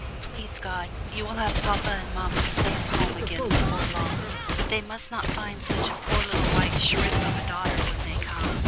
Please God you will have papa and mamma safe home again before long. But they must not find such a poor little white shrimp of a daughter when they come.